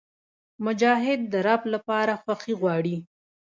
مجاهد د رب لپاره خوښي غواړي.